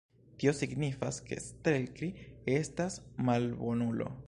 Tio signifas, ke Stelkri estas malbonulo.